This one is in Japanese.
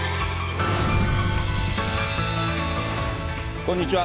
こんにちは。